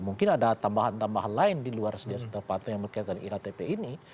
mungkin ada tambahan tambahan lain di luar setia novanto yang berkaitan dengan iktp ini